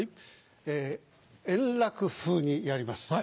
円楽風にやります。